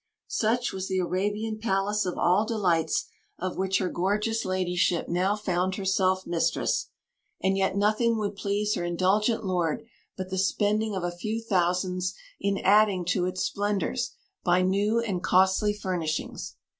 Such was the Arabian palace of all delights of which her gorgeous ladyship now found herself mistress; and yet nothing would please her indulgent lord but the spending of a few thousands in adding to its splendours by new and costly furnishings.